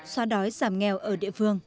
xóa đói giảm nghèo ở địa phương